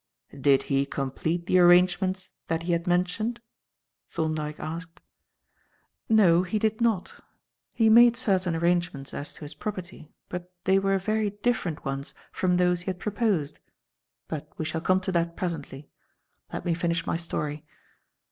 "Did he complete the arrangements that he had mentioned?" Thorndyke asked. "No, he did not. He made certain arrangements as to his property, but they were very different ones from those he had proposed. But we shall come to that presently. Let me finish my story.